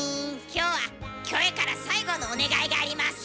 今日はキョエから最後のお願いがあります。